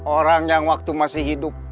orang yang waktu masih hidup